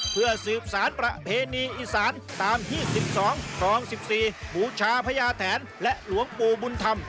เพื่อสืบสารประเพณีอีสานตามที่๑๒คลอง๑๔บูชาพญาแถนและหลวงปู่บุญธรรม